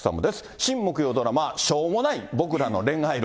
新木曜ドラマ、しょうもない僕らの恋愛論。